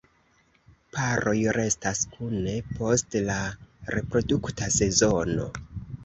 Paroj restas kune post la reprodukta sezono.